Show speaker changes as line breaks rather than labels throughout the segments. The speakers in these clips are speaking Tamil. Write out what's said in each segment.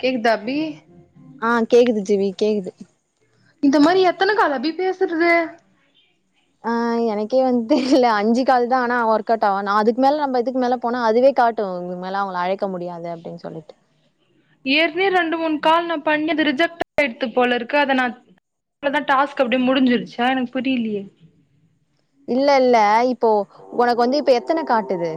கேக்குதா பி
ஆ கேக்குது ஜீவி கேக்குது
இந்த மாரி எத்தன கால் அபி பேசுற்து
ஆ எனக்கே வந்து தெர்ல அஞ்சு கால்தா ஆனா ஒர்க்கோட்ஆவு நா அதுக் மேல நம்ப இதுக்கு மேல போனா அதுவே காட் டு இதுக் மேல அவுங்ள அழைக்க முடியாது அப்டின் சொல்லிட்டு
ஏற்க்னே ரெண்டு மூண் கால் நா பண்ணி அது ரிஜெக்ட் ஆய்ட்த்து போலருக்கு அத நா வ்ளதா டாஸ்க் அப்டே முடிஞ்சுருச்சா எனக் புரிய்லியே
இல்லல்ல இப்போ ஒனக்கு வந்து இப்ப எத்தன காட்டுது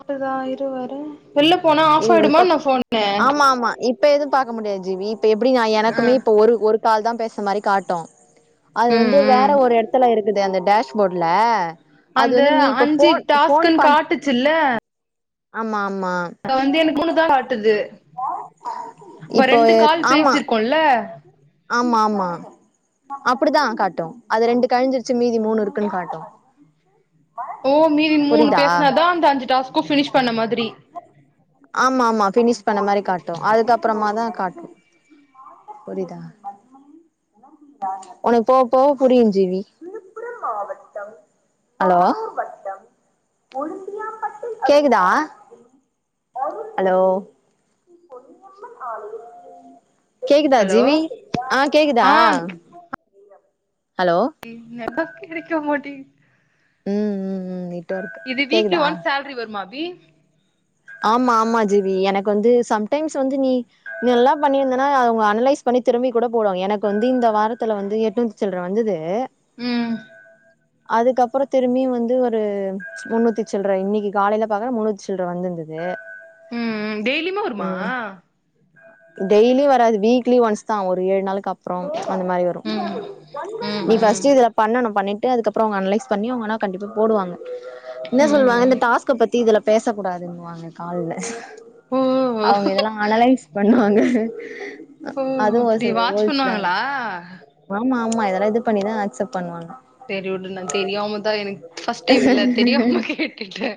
காட்டுதா இரு வர வெள்ள போனா
இரு
ஆஃப்
இரு
ஆய்டுமா
இப்ப
இன்ன ஃபோனு
ஆமா இப் இப்ப எது பாக்க முடியாது ஜீவி இப்ப எப்புடி நா எனக்குமே இப்ப ஒரு ஒரு கால்தா பேச மாரி காட்டு அது
ம்
வந்து வேற
ம்
ஒரு எட்த்துல இருக்குது அந்த டேஷ்போட்ல அது
அந்த
வந்து நீ இப்ப
அஞ்சு
ஃபோன் ஃபோன்
டாஸ்க்குன்னு
பன்
காட்டுச்சுல்ல
ஆமா ஆமா
க வந்து எனக்கு மூணுதா காட்டுது இப்ப
இப்போ
ரெண்டு கால்
ஆமா
பேசிருக்கோல்ல
ஆமா ஆமா அப்புடுதா காட்டு அது ரெண்டு கழிஞ்சிருச் சி மீதி மூணு இருக்குன் காட்டு
ஓ மதி மூணு
புரியுதா
பேஸ்னாதா அந்த அஞ்சு டாஸ்கு பினிஷ் பண்ண மாதுரி
ஆமாமா பினிஷ் பண்ண மாரி காட்டு அதுக்கப்றமா தா காட்டு புரிதா ஒனக் போவ போவ புரியு ஜீவி ஹலோ கேக்குதா ஹலோ கேக்குதா
ஹலோ
ஜீவி அ கேக்குதா
ஆ
ஹலோ
இ நெகா கெடக்க மாட்டேங்
ம் ம் ம் தி
இது வீக்லி ஒன்ஸ் சேல்ரி வருமா அபி
ஆம்மா ஆமா ஜிவி எனக்கு வந்து சம்டைம்ஸ் வந்து நீ நீ நல்லா பண்ணிருந்தனா அவுங்க அனலைஸ் பண்ணி திரும்பி கூட போடுவாங்க எனக்கு வந்து இந்த வாரத்துல வந்து எட்நூத்தி சில்ற வந்துது
ம்
அதுக்கப்புற திரும்பியு வந்து ஒரு முன்னூத்தி சில்ற இன்னக்கி காலைல பாக்குறே முன்னூத்தி சில்ற வந்துர்ந்தது
ம் ம் டெய்லியும வருமா
டெய்லி வராது வீக்லி ஒன்ஸ் தா ஒரு ஏழு நாளுக்கு அப்றொ அந்த மாரி வரு
ம் ம்
நீ
ம்
ஃபர்ஸ்ட்டு இதுல பண்ணனு பண்ணிட்டு அதுக்கப்றொ அவுங்க அனலைஸ் பண்ணி அவுங்க ஆனா கண்டிப்பா போடுவாங்க இன்ன சொல்லுவாங்க
ம்
இந்த டாஸ்க்க பத்தி இதுல பேச கூடாதுன்னுவாங்க கால்ல
ஓ
அவுங்க இதெலா அனலைஸ் பண்ணுவாங்க அதுவு ஒரு சில ரூல்ஸ் தா
ஆ
ஆமா ஆமா இதெலா இது பண்ணி தா அக்சப்ட் பண்ணுவாங்க
சேரி விடு நா தெரியாம தா எனக்கு ஃபர்ஸ்ட் டைம் இல்ல தெரியாம கேட்டுட்டே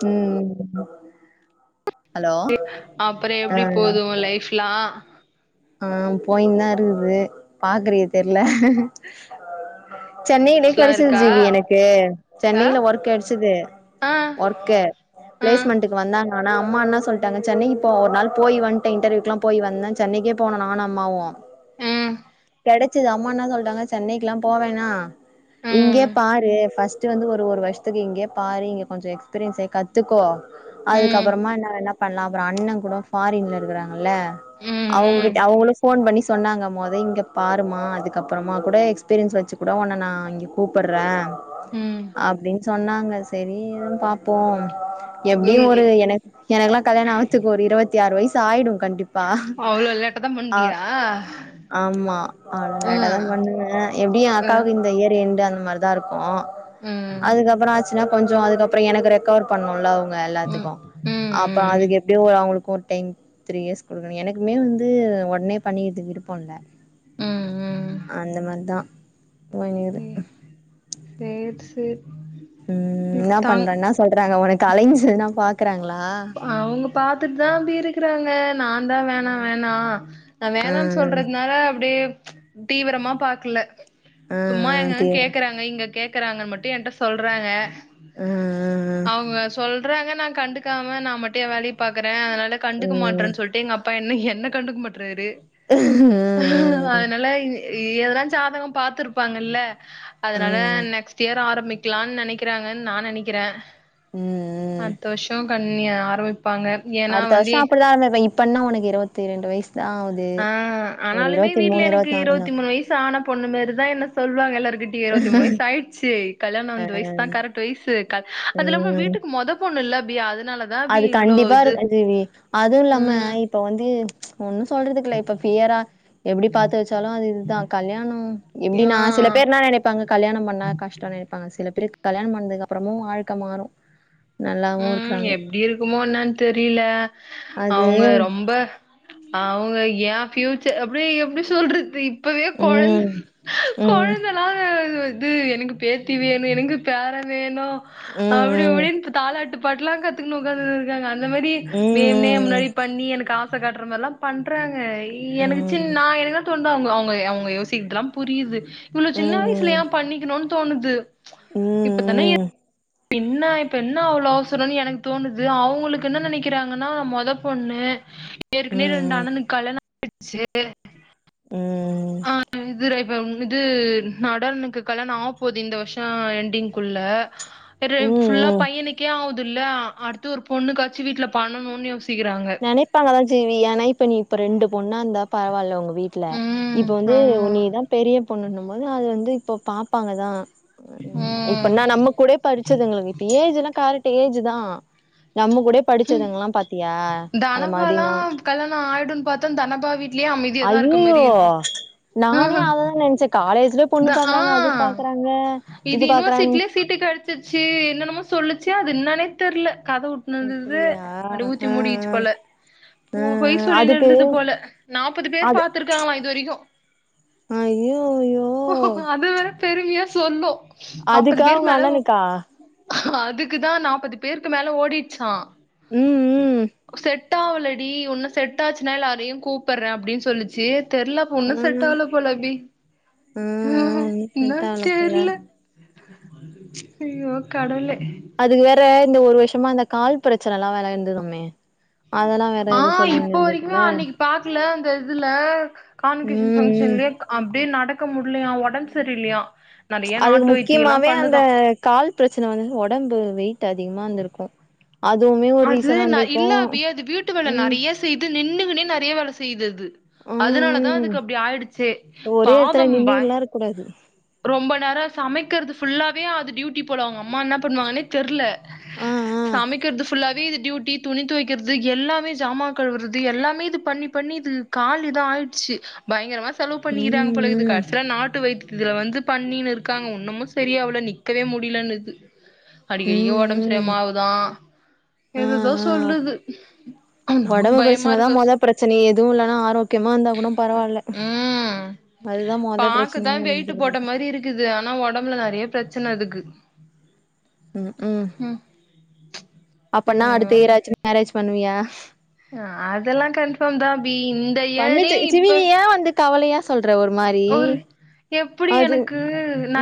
ம் ஹலோ
[unintelligible] அப்பறொ
ஆ
எப்டி போது ஒ லைஃப் லா
அ போயின் தா இருக்குது பாக்குறியே தெர்ல சென்னையிலே
ஸ்லா
கெடச்சது
இருக்கா
ஜிவி எனக்கு
ஆ
சென்னையல ஒர்க் கெட்ச்சது
ஆ
ஒர்க்க
ஆ ம்
பிளேஸ்மெண்டு இங்கரவந்தாங்க ஆனா அம்மா என்ன சொல்ட்டாங்க சென்னை இப்ப ஒரு நாள் போய் வந்ட்டே இன்டர்வியூக்லா போய் வந்தே சென்னைக்கே போனோ நானு அம்மாவு
ம்
கெடச்சது அம்மா என்ன சொல்ட்டாங்க சென்னைக்குலா போ வேனா இங்கே
ம்
பாரு ஃபர்ஸ்ட்டு வந்து ஒரு ஒரு வர்ஷ்துக்கு இங்கயே பாரு இங்கெ கொஞ்சொ எக்ஸ்பிரியன்ஸ கத்துக்கோ அதுக்கு
ம்
அப்பறமா இன்ன வேனா பண்லா அப்பறொ அண்ண கூடொ ஃபாரின்ல இருக்குறாங்கல்ல
ம்
அவங்கிட்ட ஏ அவுங்குளு ஃபோன் பண்ணி சொன்னாங்க மொத இங்க பாருமா அதுக்கப்பறமா கொட எக்ஸ்பீரியன்ஸ் வச்சு குட ஒன்ன நா இங்க கூப்புட்றே
ம்
அப்டின் சொன்னாங்க செரி எது பாப்போ எப்டியு ஒரு
ம்
எனக் எனக்லா கல்யாணொ ஆத்துக்கு ஒரு இருவத்தி ஆறு வயசு ஆயிடு கண்டிப்பா ஆ
அழ்வியா
ஆமா அவ் லேட்டா தா பண்ணுவே எப்டியு
அ
அக்காக்கு இந்த இயர் எண்டு அந்த மார் தா இருக்கு
ம் ம்
அதுக்கப்பறொ ஆச்சுனா கொஞ்ச அதுக்கப்பறொ எனக் கெடையாத் கவர் பண்ணுல்ல அவுங்க
ம்
எல்லாத்துக்கு அப்பறொ
ம்
அதுக்கு எப்டியு ஒரு அவுங்களுக்கு ஒரு டென் த்ரீ இயர்ஸ் குடுக்கணு எனக்குமே வந்து ஒட்னே பண்ணிகிதுக்கு விருப்பொ இல்ல
ம் ம்
அந்த மாரி தா போனியது
சேரி சேர்
ம் இன்ன
இத்தாங்
பண்ற இன்ன சொல்றாங்க ஒனக்கு அலைன்ஸ் எதுனா பாக்குறாங்களா
அவுங்க பாத்துட்டு தா அபி இருக்குறாங்க நாந்தா வேனா வேனா நா
ஆ
வேனான் சொல்றதுனால அப்டியே தீவரமா பாக்கல
ஆ ஆ
சும்மா
ஆ
எங்க
தே
கேக்குறாங்க இங்க கேக் குறாங்க மட்டு ஏன்ட்ட சொல்றாங்க
ஆ ஆ
அவுங்க சொல்றாங்க நா கண்டுக்காம ம நா மட்டு எ வேலைய பாக்குறே அதுனால
ஆ ஆ
கண்டுக்க மாட்றன் சொல்ட்டு எங்க அப்பா என்ன என்ன கண்டுக்க மாட்றாரு
ஆ ஆ ஆ
அதுனால எதனா ஜாதகொ பாத்துருப்பாங்கல்ல
ஆ
அதுனால
ம்
நெக்ஸ்ட் இயர் ஆரம்பிக் பிக்கலான் நெனைக்கிறாங்கன் நா நெனைக்கிறே
ம் ம்
அடுத்த வர்ஷோ கண்ணிய ஆரம்பிப்பாங்க
அடுத்த வர்ஷோ அப்புடிதா ஆரம்பிப்ப இப்பென்னா ஒனக்கு இருவத்தி ரெண்டு வயசு தா ஆவுது
ஆ
ஒரு
ஆனாலுமே
இருவத்தி
வீட்ல
மூணு
எனக்கு
நாலு தா
இருவத்தி மூனு வயசு ஸ் ஆன பொண்ணு மேரிதா என்ன சொல்வாங்க எல்லார்கிட்டயு இருவத்தி மூணு வய்ஸ் ஆயிடுச்சு கல்யாணொ
ஆ
வந்து வய்ஸ்தா கரெட் டு வய்ஸூ கர் அதில்லாம
ம்
வீட்டுக் முத பொண்ணுல்ல அபி அதனால
அது கண்டிப்பா இருக்கு ஜீவி அதில்லாம
ம்
இப்ப வந்து ஒன்னு சொல்றதுக்கில்ல இப்ப ஃபியரா எப்டி பத்து வெச்சாலு அது இதுதா கல்யாணம் எப்டினா சிலப்
ஆ
பேர் ன்ன நெனைப்பாங்க கல்யாணொ பண்ணா கஷ்டொ நெனைப்பாங்க சில பேருக் கல்யாணொ பண்ணதுக்கப்றமு வாழ்க்க மாறு நல்லாவு
ம்
இருக்குறாங்க
எப்டி இருக்குமோ ன்னன் தெரில
அது
அவங்க ரொம்ப அவ்ங்க ஏ ஃபியூச்சர் அப்டே எப்டி சொல்றது இப் ப்பவே கொழந்த
ம் ம்
கொழந்த இது எனக்கு பேத்தி வேணு எனக்கு பேர வேணு
ம்
அப்டி இப்டின்டு தாலாட்டு பாட்டுலா கத்துக்குனு உக்காந்துனு இருக்காங்க அந்த மாரி
ம்
வேணும்னே
ம்
முன்னாடி பண்ணி எனக்கு ஆ பாச காட்ற மாரிலா பண்றாங்க
ம்
எனக்கு சின்
ம்
நா எல்லா வந்து தோண்டா அவ்ங்க அவுங்க அவுங்க யோசிக்கிறதுலா புரியுது இவ்ளோ
ம்
சின்ன வயசுல
ம்
ஏ பண்ணிக்கனூன் தோணுது
ம்
இப்பதான ஏத்
ம்
இப்ப இன்னா இப்ப ன்னா அவ்ளோ அவசரோன் எனக்கு தோணுது அவுங்களுக்கு என்ன நெனைக்கிறாங்கனா மொத பொண்ணு
ம்
ஏற்கனவே ரெண்டு
ம்
அண்ணனுக் கல்யாணொ ஆயிடுச்சு
ம் ம்
ஆ இதுரெ இப்ப இது நடனுக்கு கல்யாணொ ஆவப்போது இந்த வருஷொ என்டிங்க்குள்ள ரெப்
ம்
ஃபுல்லா
ம்
பையனுக்கே ஆவுதுல அடுத் து ஒரு பொண்ணு காச்சி வீட்ல பண்ணனூனு யோசிக்கிறாங்க
நினைப்பாங்கதா ஜீவி ஏனா இப்ப நீ இப்ப ரெண்டு பொண்ணா இருந்தா பரவால்ல உங்க வீட் ட்ல
ம்
இப்ப வந்து உ
ஆமா
நீதா பெரிய பொண்ணுன்னும் போது அது வந்து இப்ப பாப்பாங்கதா
ம்
இப்பன்னா நம்ம கூடே படிச்சதுங்களுக்கு இப்ப ஏஜ்லா கரெக்ட் ஏஜ்தா நம்ம கூடயே படிச்சதுங்கலா பாத்தியா அந்த மாதிரி
தனபாலா
நா
கல்யாண ஆயிடுன் பாத்த தனபா வீட்லயு அமைதியாதா இருக்க
ஐயயோ
மாரி இருக்கு
நானே
ஆஹ
அத தா நெனச்ச காலேஜ்
த உ இது யுனிவர்சிட்டிலே சீட்டு கெடச் ச்சு என்னென்னமோ சொல்லுச்சு அது ன்னன்னே தெர்ல கத உட்
அப்படியா
[unintelligible] அது
ஆ
ஊத்தி
ஆ
மூடிகிச்சு போல உ
ஆ ஆ
பொய் சொல்லினு
அதுக்கு
இருந்தது போல நாப்பது பேர்
அது
பாத்துருக்காங்களா இது வரைக்கு
ஐயோயோ
அது வேற பெருமையா சொல்லு நாப்பது
அதுக்கா
பேருக்
உங்க
மேல
அண்ணனுக்கா
அதுக்குதா நாப்பது பேருக்கு மேல ஓடிட்ச்சா
ம் ம்
செட் செட்டாவலடி ஒன்னு செட்டாச்சுன்னா எல்லாரையு கூப்புட்ற அப்டின் சொல்லிச்சு தெர்ல ஒண்ணு செட்
ம்
ஆவல போல அபி
ம்
என்ன
செட் ஆகல போல
தெர்ல அய்யோ கடவ்ளே
அதுக்கு வேற இந்த ஒரு வருஷமா இந்த கால் பிரச்சனலா வேற இருந்துதாமே
ஆ இப்ப வரிக்குமே அன்னக்கி பாக்ல அந்த இதுல கான்வகேஷன்
ம் ம்
பங்க்ஷன்லே க் அப்டியே நடக்க முட்லயா ஒடம் சரி இல்லையா
அதுக்கு முக்கியமாவே அந்த கால் பிரச்சன வந்து ஒடம்பு வெயிட் அதிகமா இந்துருக்கு அதுவுமே ஒரு
அது ந
ரீசனாந்துருக்கு
இல்ல அபி அது வீட்டு வேல
ம்
நெறைய செய்து நின்னுக்னே நறிய வேல செய்து அது
ம்
அதுனாலதா
ம்
அதுக்கு அப்டி ஆய்டிச்சே
ஒரே எடத்துல
பாதம் பய்
நின்னுல்லா இருக்க கூடாது
ரொம்ப நேர சமைக்கறது ஃபுல்லாவே அது டியூட்டி போல அவுங்கம்மா என்ன பண்ணுவாங்கன்னே தெர்ல
ஆ ஆ
சமைக்றது ஃபு ஃபுல்லாவே இது டியூட்டி துணி துவைக்கிறது எல்லாமே ஜாம கழுவுறது எல்லாமே இது பண்ணி பண்ணி இது காலு எதோ ஆயிட்ச்சி பயங்ரமா செலவு
ம்
பண்ணிக்கிறாங்க போலகுது
ம்
ப்ற நாட்டு வைத்தியத்துல வந்து பண்ணினுருக்காங்க ஒன்னுமு செரியாவுல நிக்கவே முடியிலன்னுது அடிக்கடிக ஒடம்பு
ம் ம்
சரியாமாவுதா
ஆ
எதெதோ
ஆ
சொல்லுது நமக்கு
ஒடம்பு
பயமா
பிரச்சனதா
இருக்கு
மொத பிரச்சனையே எதுவு இல்லனா ஆரோக்கியமாந்தா கூட பரவால்ல
ம்
அதுதா மொத பிரச்சனையாருக்குது எல்லாருக்கு
க்குது ஆனா ஒடம்புல நெறைய பிரச்சனை அதுக்கு
ம்க்கு
ம்
அப்பன்னா அடுத்த இயராச்சு மேரேஜ் பண்ணுவியா
அதல்லா கன்ஃபாம்தா அபி இயரே
பண்ணுச்சு சிவி நீ
இப்ப
ஏ வந்து கவலையா சொல்ற ஒரு மாரி
ஒரு எப்டி
அது
எனக்கு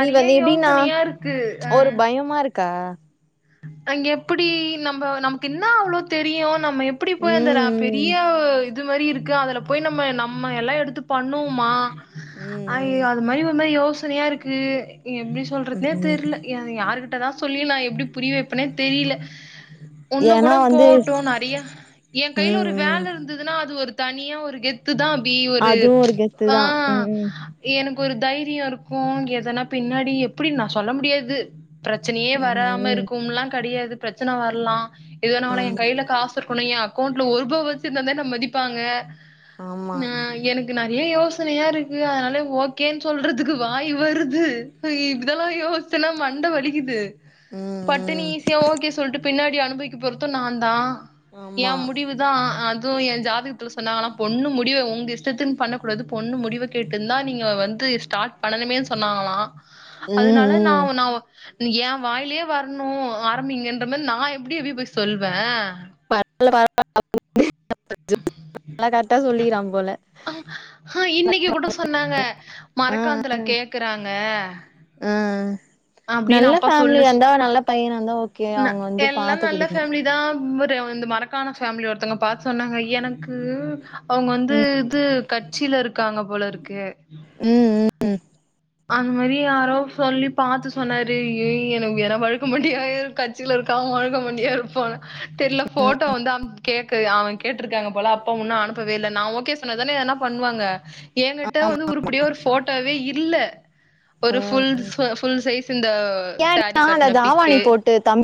நீ வந் எப்டின்னா
யோசனையா இருக்கு
ஒரு பயமாருக்கா
அங்க எப்பிடி நம்ப நமக்கின்னா அவ்ளோ தெரியு நம்ம எப்பிடி போய் அந்தறாப்
ம்
பெரிய இது மாரி இருக்கு அதுல போய் நம்ம நம்ம எல்லா எடுத்து பண்ணுவமா
ம்
அய்யயோ அது மாரி வந்தா யோசனையாருக்கு எப்டி
ம்
சொல்றதுனே
ம் ம்
தெர்ல யா யாருகிட்டதா சொல்லி நா எப்டி புரிய வப்பனே தெரில ஒன்னுங்கூட
ஏன்னா வந்து
போட்டு நெறைய எங்கையில
ம்
ஒரு
ம்
வேல இருந்துதுனா அது ஒரு தனியா ஒரு கெத் த்துதா அபி ஒரு
அதுவு கெத்து
ஆ
தா ம்
எனக்கொரு தைரியோ இருக்கு எதனா பின்னாடி எப்பிடி நா சொல்ல முடியாது பிரச்சனையே வராம
ம் ம்
இருக்கும்லா கெடையாது பிரச்சன வரலா எதுனாலு
ஆமா
எங்கையில காசு ருக்கணு ஏ அக்கவுண்ட்ல ஒருபா வச்சுருந்தாதா என்ன மதிப்பாங்க
ஆமா
அ எனக் கு நெறைய யோசனையா இருக்கு அதனால ஓகேன்னு சொல்றதுக்கு வாய் வருது இ இதலா யோசிச்சனா மண்ட வலிக்குது
ம்
பட்டுனு
ம்
ஈஸியா ஓகே சொல்ட்டு பின்னாடி அனுபவிக்க போறது நாந்தா
ஆமா
முடிவு தான் அதுவு எஞ்ஜாதகத்துல சொன்னாங்களா பொண்ணு முடிவு ஒங்க இஷ்டத்துன் பண்ணக்கூடாது பொண்ணு முடிவ கேட்டுன்தா நீங்க வந்து ஸ்டார்ட் பண்ணனுமே சொன்னாங்கலா
ம்
அதுனால நா
ம்
ஒ நா ஒ எ வாய்லே வர் ன்னு ஆரம்பிங்கன்ற மாரி நா எப்டி இபி போய் சொல்வ
[inaudible] கர்ட்டா சொல்லிக்கிறாங் போல
அ அ இன்னக்கி கூட சொன்னாங்க மரக்காணத்துல கேக்குறாங்க
ம்
அப்டின்னு
நல்ல
அப்பா சொல்லுச்
ஃபேமிலியாந்தா நல்ல பையனாந்தா ஓக்
ந எல்லா நல்ல ஃபேமிலி தா இவ்ரு மரக்காண ஃபேமிலிய ஒருத்தங்க பாத்து சொன்னாங்க எனக்கு அவுங்க வந்து
ம்
இது கட்சிலருக்காங்க போலருக்கு
ம் ம்
அந் மாரி யாரோ சொல்லி பாத்து சொன்னாரு எய் எனக் வேற வழுக்க மண்டையாயிரு கட்சி இருக்கவ வழுக்க மண்டையா இருப்பானா தெர்ல ஃபோட்டோ வந்து அனுப் கேக்கு அவ கேட்டுருக்காங்க போல அப்பா உன்னு அனுப்பவேல்ல நா ஓகே சொன்னாதான எதனா பண்வாங்க எகிட்ட வந்து உருப்படிய ஒரு ஃபோட்டோ வே இல்ல
ஆ
ஒரு ஃபுல் ஃபுல் சைஸ் இந்த சாரீ கட்ன பிக்கு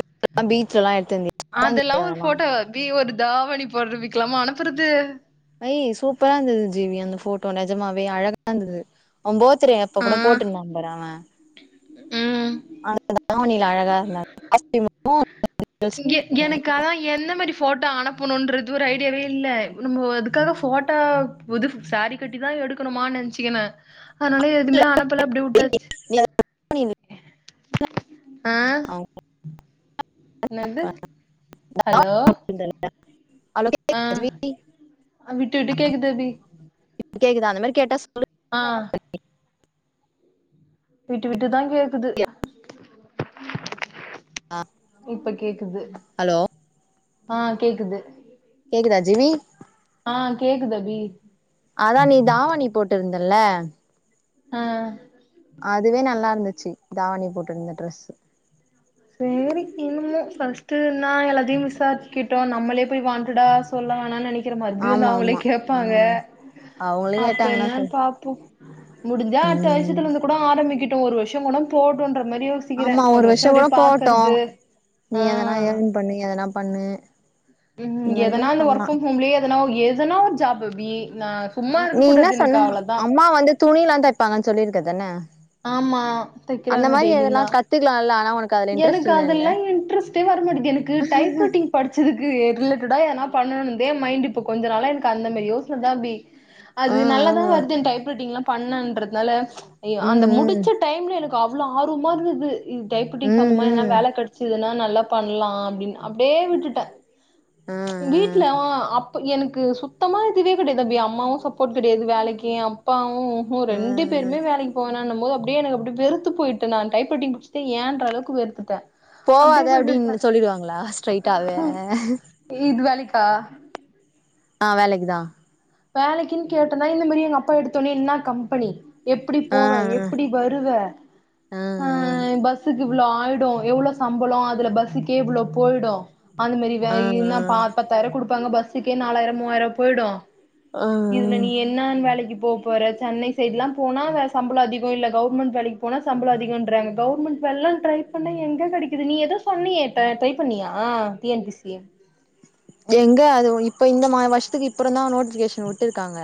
[inaudible] பீச்ல எல்லாம் எடுத்து [inaudible] எதனா
வி ஒரு தாவணி புடவைக்கலாமா அனுப்புறது
ஐ சூப்பரா இருந்தது ஜீ நீ அந்த ஃபோட்டோ நெஜமாவே அழகா இருந்தது ஒ பர்த் டே அப்ப
ஆ
கூட போட்டு இருந்தா பாரு அவே
ம்.
அந்த தாவணி அழகா இருந்தாரு ஆஸ்திமாவு
எ
[inaudible]
எனக்கு அதா எந்த மாரி ஃபோட்டோ அனுப்பணுன்றது ஒரு ஐடியாவே இல்ல நம்ம அதுக்காக ஃபோட்டோ புது சாரீ கட்டிதா எடுக்கணுமான்னு நெனைச்சிக்குனு அதுனால எதுமே அனுப்பல அப்டியே வுட்டாச்சு
[inaudible]
அ என்னாது ஹலோ
இந்தல்யா ஹலோ கேக்
ஆ விட்டு விட்டு கேக்குது அபி
இப்ப கேக்குதா அந்தமாரி கேட்டா சொல்லு
ஆ விட்டு விட்டுதா கேக்குது இப்ப கேக்குது
ஹலோ
ஆ கேக்குது
கேக்குதா ஜீவி
ஆ கேக்குது அபி
அதா நீ தாவணி போட்டிருந்தல்ல
ஆ
அதுவே நல்லா இருந்துச்சு தாவணி போட்டு இருந்த ட்ரெஸ்ஸு
சேரி இன்னமு ஃபஸ்டுன்னா எல்லாத்தையு விசாரிச்சுக்கிட்டோ நம்மளே போய் வாண்டடா சொல்ல வோணான் நெனைக் கிற மாதிரியு நா
ஆமா
அவுங்களே
ஆமா
கேப்பாங்க
ம் அவங்களே
அப்ப
கேட்டாங்கன்னா
என்னான்
சொல்
பாப்போ முடுஞ்சா அடுத்த வருஷத்துல
ம்
இருந்து கூட ஆரம்பிக்கட்டு ஒரு வருஷோ கூட போகடுன்ற மாரி யோசிக்கிறே
ஆமா
ஒரு வருஷோ
வருஷம் கூட
அப்டியே
போகட்டு
பாக்குறது
நீ
ஆ
எதனா ஏர்ன் பண்ணு எதனா பண்ணு
ம்
இந்த மாரி கூட
எதனாலு ஒர்க்
பண்லா
ஃப்ரம் ஹோம்லயே எதனா ஏதனா ஒரு ஜாப்பு பீ நா சும்மா இருக்க
நீ என்னா
கூடாது எனக்கு
சொன்ன
அவ்ளோதா
அம்மா வந்து துணிலா தப்பாங்கன் சொல்லிருக்கதான
ஆமா தக்கிறாங்க டெய்லியு தா
கத்துக்கலால்ல ஆனா உனக்கு அதுல இன்ட்ரெஸ்ட்
எனக்கு
இல்லல்ல
அதல்லா இன்ட்ரஸ்ட் டே வர மாட்டிகுது எனக்கு டைப்ரைட்டிங் படுச்சதுக்கு ரிலேட்டடா ஏனா பண்ணணுந்தே மைண்ட் இப்போ கொஞ்ச நாளா எனக்கு அந்தமாரி யோசன தா அபி அது
ஆ
நல்லதா
ஆ
வருது டைப் ரைட்டிங்ல்லா பண்ணன்றதுனால ஐயோ, அந்த முடுச்ச
ம்
டைம்ல எனக்கு அவ்ளோ ஆர்வமா இருந்தது இது
ம்
டைப்ரைட்டிங்
ம்
சம்பந்தமா எதனா
ம்
வேல கெடைச்சதுன்னா நல்லா பண்லா அப்டின்னு அப்டியே விட்டுட்டே
ஆ ஆ
வீட்ல அப் ப்ப எனக்கு சுத்தமா இதுவே கெடையாது அபி அம்மாவு சப்போர்ட் கெடையாது வேலைக்கி எ அப்பாவு ஒ
ஆ
ரெண்டு
ஆ
பேருமே வேலக்கி போனான்ன போது அப்டியே எனக்கு அப்டியே வெறுத்து போயிட்டே நா டைப்ரைட்டிங் முடுச்சது ஏன்ற அளவுக்கு வெறுத்துட்டே அப்டியே
போவாத
விட்டுட்டே
அப்டின்னு சொல்லிறுவாங்களா ஸ்ட்ரைட்டாவே
ஈது வேலைக்கா
ஆ வேலக்கிதா
வேலக்கின் கேட்டோனே இந்த மாரி எங்க அப்பா எடுத்தோனே என்னா கம்பெனி எப்டி
ஆ
போவ
ஆ
எப்டி வருவ ஆ பஸ் ஸுக்கு இவ்ளோ ஆய்டு எவ்ளோ சம்பளோ அதுல பஸ்சுக்கே இவ்ளோ போய்டு அந்த மாரி தா
ஆ ஆ
இன்னா ப பத்தாயிரோ குடுப்பாங்க பஸ்ஸுக்கே நாலாயிரோ மூவாயிரோ போய்டு
ஆ
இதுல நீ என்னான் வேலைக்கி போப் போற சென்னை சைட்லா போனா வ சம்பளோ அதிகோ இல்ல கவர்மண்ட் வேலைக் போனா சம்பளோ அதிகோன்றாங்க கவர்மண்ட் வேலேல்லா ட்ரை பண்ணா எங்க கெடைக்குது நீ எதோ சொன்னிய ட்ரை பண்ணியா டி என் பி சி
எங்க அது இப்ப இந்த மா வர்ஷெத்துக்கு அப்புறோ தா நோட்டிபிகேஷன் விட்டு இருக்காங்க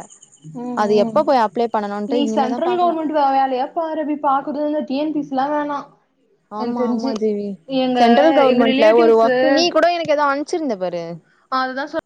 ம்
அது
ம்
எப்ப போய் அப்ளை பண்ணனுன்ட்டு இனிமே தா பாகனு
சோவ்யாலியா பாருவி பாக்குறதுல டி என் பிஸ் ல்லா வேணா
ஆமா
எனக்கு
ஆமா
தெரிஞ்சு
ஜேவி
எங்க
சென்ட்ரல்
எங்க
கவர்மெண்ட்ல ஒரு
ரிலேட்டிவ்ஸு
வொக்கு நீ கூட எனக்கு ஏதோ அனுச்சிருந்த பாரு
அதுதா சொல்